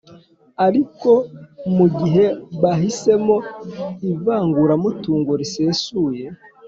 ariko mu gihe bahisemo ivanguramutungo risesuye,